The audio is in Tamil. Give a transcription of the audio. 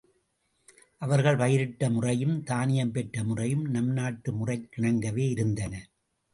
அவர்கள் பயிரிட்ட முறையும் தானியம் பெற்ற முறையும் நம் நாட்டு முறைக்கிணங்கவே இருந்தன.